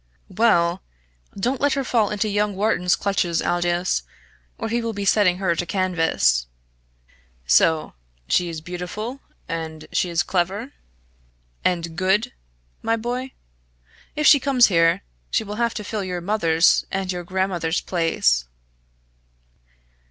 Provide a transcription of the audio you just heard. "Well, don't let her fall into young Wharton's clutches, Aldous, or he will be setting her to canvas. So, she is beautiful and she is clever and good, my boy? If she comes here, she will have to fill your mother's and your grandmother's place."